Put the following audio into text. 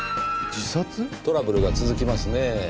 自殺？トラブルが続きますねぇ。